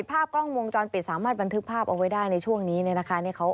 ภาพกล้องวงจรปิดสามารถบันทึกภาพเอาไว้ได้ในช่วงนี้เนี่ยนะคะ